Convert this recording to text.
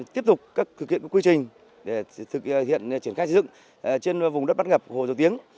tiếp tục thực hiện các quy trình để thực hiện triển khai xây dựng trên vùng đất bán ngập hồ dầu tiếng